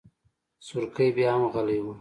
سورکی بياهم غلی و.